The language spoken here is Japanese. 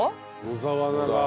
野沢菜が。